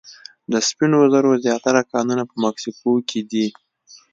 د سپینو زرو زیاتره کانونه په مکسیکو کې دي.